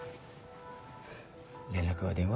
連絡は電話？